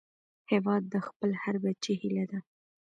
هیواد د خپل هر بچي هيله ده